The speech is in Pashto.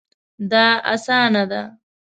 دا اسانه ده